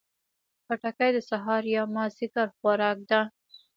خټکی د سهار یا مازدیګر خوراک ده.